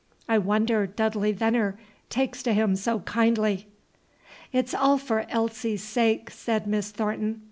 I wonder Dudley Veneer takes to him so kindly." "It's all for Elsie's sake," said Miss Thornton.